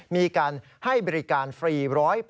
มีการให้บริการฟรี๑๐๐